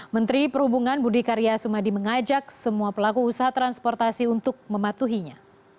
menteri perhubungan budi karya sumadi mengajak semua pelaku usaha transportasi untuk mematuhinya